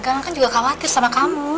karena kan juga khawatir sama kamu